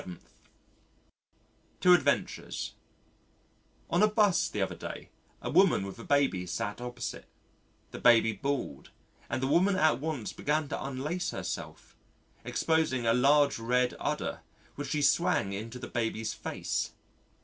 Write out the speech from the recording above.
Two Adventures On a 'bus the other day a woman with a baby sat opposite, the baby bawled, and the woman at once began to unlace herself, exposing a large, red udder, which she swung into the baby's face.